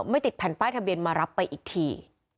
ไม่ติดแผ่นป้ายทะเบียนมารับไปอีกที